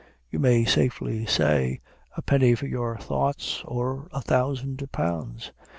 You may safely say, A penny for your thoughts, or a thousand pounds.